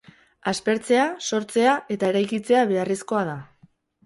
Aspertzea, sortzea eta eraikitzea beharrezkoa da.